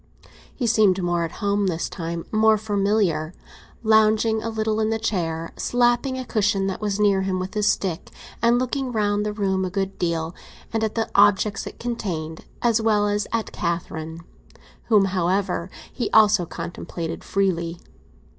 He seemed more at home this time—more familiar; lounging a little in the chair, slapping a cushion that was near him with his stick, and looking round the room a good deal, and at the objects it contained, as well as at Catherine; whom, however, he also contemplated freely.